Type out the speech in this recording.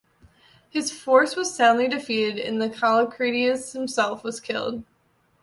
His force was soundly defeated, and Callicratidas himself was killed.